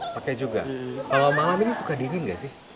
pakai juga kalau malam ini suka dingin nggak sih